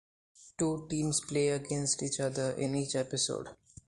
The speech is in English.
Two teams play against each other in each episode.